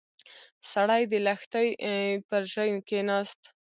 سړی د لښتي پر ژۍ کېناست.